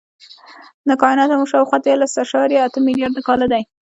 د کائنات عمر شاوخوا دیارلس اعشاریه اته ملیارده کاله دی.